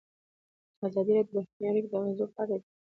ازادي راډیو د بهرنۍ اړیکې د اغېزو په اړه ریپوټونه راغونډ کړي.